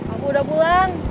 aku udah pulang